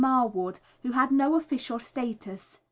Marwood, who had no official status.